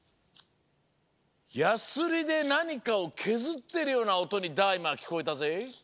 やすりでなにかをけずってるようなおとにＤＡ−ＩＭＡはきこえたぜ。